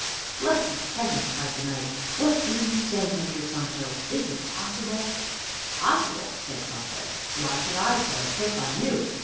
"Blessed Heaven!" cried the Knight. "What do you say, my dear Sancho? Is it possible?" "Possible!" said Sancho. "Why should I play a trick on you?